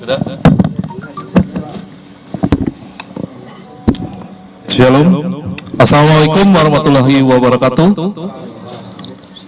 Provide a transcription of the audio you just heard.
assalamu alaikum warahmatullahi wabarakatuh